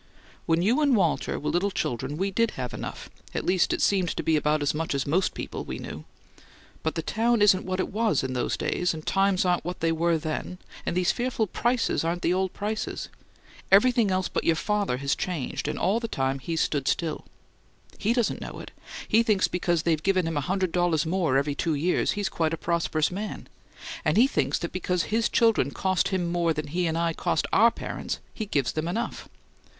When you and Walter were little children we did have enough at least it seemed to be about as much as most of the people we knew. But the town isn't what it was in those days, and times aren't what they were then, and these fearful PRICES aren't the old prices. Everything else but your father has changed, and all the time he's stood still. He doesn't know it; he thinks because they've given him a hundred dollars more every two years he's quite a prosperous man! And he thinks that because his children cost him more than he and I cost our parents he gives them enough!"